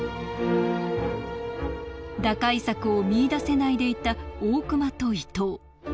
打開策を見いだせないでいた大隈と伊藤。